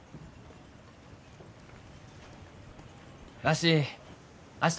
わし明日